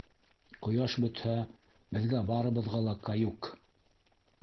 Ҡояш бөтһә, беҙгә барыбыҙға ла «каюк».